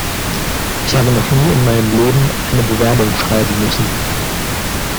Ich habe noch nie in meinem Leben eine Bewerbung schreiben müssen.